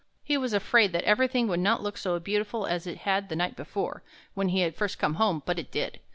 He was afraid that everything would not look so beautiful as it had the night before, when he had first come home, but it did.